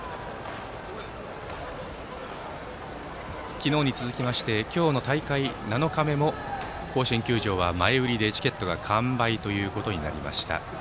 昨日に続きまして今日の大会７日目も甲子園球場は前売りでチケットは完売となりました。